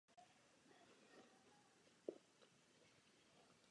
Vrch je pokryt polem.